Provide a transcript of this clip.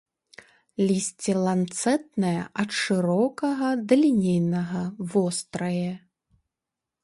Лісце ланцэтнае, ад шырокага да лінейнага, вострае.